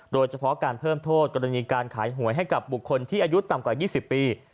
โดยเฉพาะการเพิ่มโทษกรณีการขายหวยให้กับบุคคลที่อายุต่ำกว่า๒๐ปี